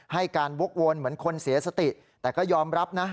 ให้การวกวนเหมือนคนเสียสติแต่ก็ยอมรับนะ